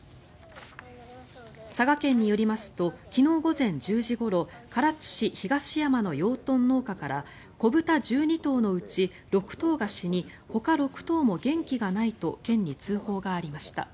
佐賀県によりますと昨日午前１０時ごろ唐津市東山の養豚農家から子豚１２頭のうち６頭が死にほか６頭も元気がないと県に通報がありました。